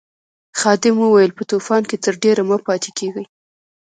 خادم وویل په طوفان کې تر ډېره مه پاتې کیږئ.